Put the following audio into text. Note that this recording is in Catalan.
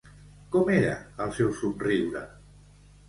Com era el seu somriure?